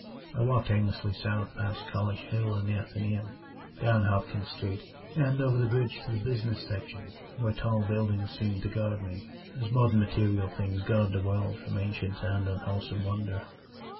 I walked aimlessly south past College Hill and the Athenæum, down Hopkins Street, and over the bridge to the business section where tall buildings seemed to guard me as modern material things guard the world from ancient and unwholesome wonder.